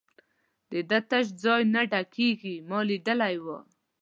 د ده تش ځای نه ډکېږي، ما لیدلی وو.